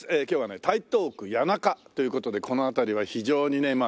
今日はね台東区谷中という事でこの辺りは非常にね